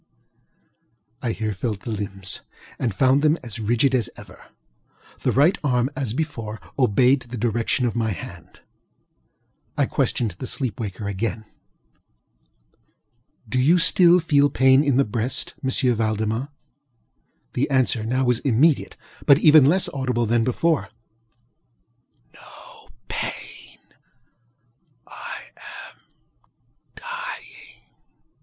ŌĆØ I here felt the limbs and found them as rigid as ever. The right arm, as before, obeyed the direction of my hand. I questioned the sleep waker again: ŌĆ£Do you still feel pain in the breast, M. Valdemar? ŌĆØ The answer now was immediate, but even less audible than before: ŌĆ£No painŌĆöI am dying.